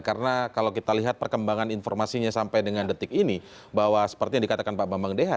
karena kalau kita lihat perkembangan informasinya sampai dengan detik ini bahwa seperti yang dikatakan pak bambang deha